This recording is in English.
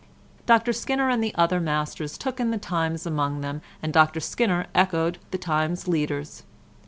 Dr Skinner and the other masters took in the Times among them, and Dr Skinner echoed the Times' leaders.